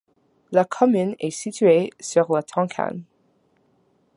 La commune est située sur la Tancanne.